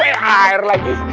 eh air lagi